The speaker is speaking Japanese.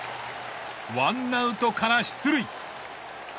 １アウトから出塁。